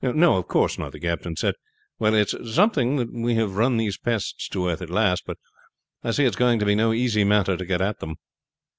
"No, of course not," the captain said. "Well, it's something that we have run these pests to earth at last, but I see it is going to be no easy matter to get at them."